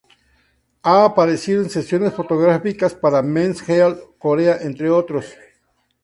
Ha aparecido en sesiones fotográficas para "Mens Health Korea", entre otros...